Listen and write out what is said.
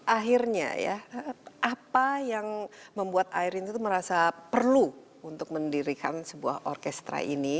akhirnya ya apa yang membuat ayrin itu merasa perlu untuk mendirikan sebuah orkestra ini